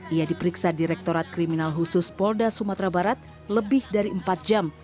ia diperiksa direktorat kriminal khusus polda sumatera barat lebih dari empat jam